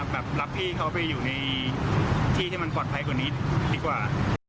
แบบรับพี่เขาไปอยู่ในที่ที่มันปลอดภัยกว่านี้ดีกว่า